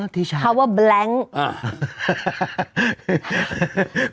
พลังงาน